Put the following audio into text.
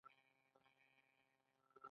آیا د عوایدو ضایع کیدل کم شوي؟